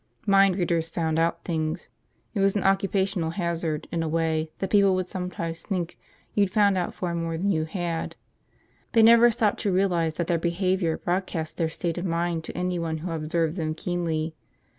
Mind readers found out things. It was an occupational hazard, in a way, that people would sometimes think you'd found out far more than you had. They never stopped to realize that their behavior broadcast their state of mind to anyone who observed them keenly.